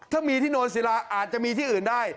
ถ้ามีที่โนนศิลาอาจจะมีที่อื่นได้